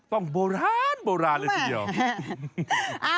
ต้องโบราณโบราณเลยสิหรอ